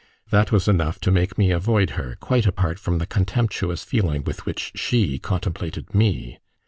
That was enough to make me avoid her, quite apart from the contemptuous feeling with which she contemplated me.